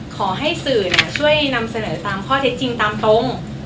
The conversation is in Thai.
ขอให้สื่อช่วยนำเสนอตามข้อเท็จจริงตามตรง